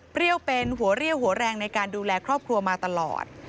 เป็นหัวเรี่ยวหัวแรงในการดูแลครอบครัวมาตลอด